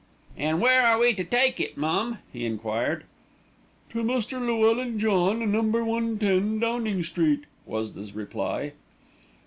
"An' where are we to take it, mum?" he enquired. "To Mr. Llewellyn John, Number 110, Downing Street," was the reply.